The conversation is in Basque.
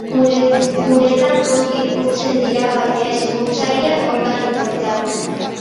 Uretan ongi urtzen dira baina ez urtzaile organikoetan.